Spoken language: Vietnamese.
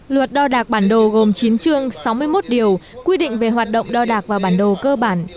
luật đo đạc bản đồ gồm chín chương sáu mươi một điều quy định về hoạt động đo đạc và bản đồ cơ bản